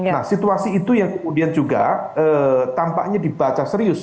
nah situasi itu yang kemudian juga tampaknya dibaca serius